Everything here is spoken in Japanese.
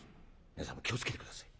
皆さんも気を付けて下さい。